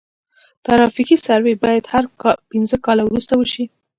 ترافیکي سروې باید هر پنځه کاله وروسته وشي